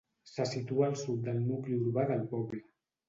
Se situa al sud del nucli urbà del poble.